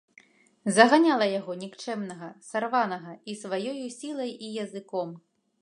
Заганяла яго, нікчэмнага, сарванага, і сваёю сілай і языком.